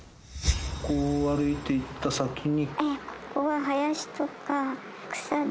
こう歩いていった先に。